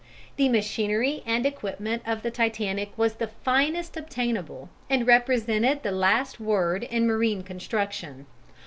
The machinery and equipment of the Titanic was the finest obtainable and represented the last word in marine construction.